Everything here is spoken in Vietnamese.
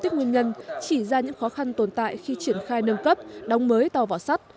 tiếp nguyên nhân chỉ ra những khó khăn tồn tại khi triển khai nâng cấp đóng mới tàu vỏ sắt